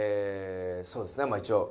そうですね一応。